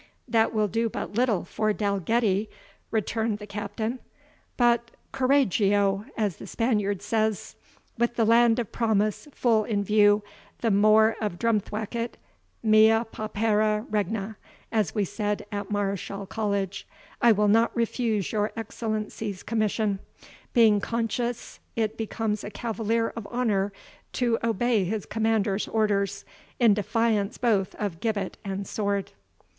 "That will do but little for Dalgetty," returned the Captain; "but corragio! as the Spaniard says. With the Land of Promise full in view, the Moor of Drumthwacket, MEA PAUPERA REGNA, as we said at Mareschal College, I will not refuse your Excellency's commission, being conscious it becomes a cavalier of honour to obey his commander's orders, in defiance both of gibbet and sword."